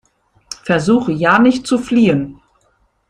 Versuche ja nicht zu fliehen!